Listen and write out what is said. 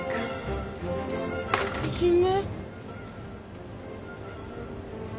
いじめ？